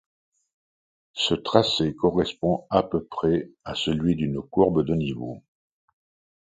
Ce tracé correspond à peu près à celui d'une courbe de niveau.